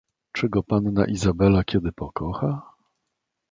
"czy go panna Izabela kiedy pokocha?..."